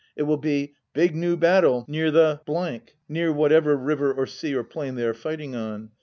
It will be " Big New Battle near the " near whatever river or sea or plain they are fighting on.